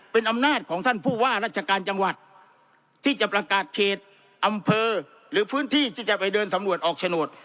เป็นอำนาจของท่านผู้ว่าราชการจังหวัดที่จะประกาศเขตอำเภอหรือพื้นที่ที่จะไปเดินสำรวจออกโฉนด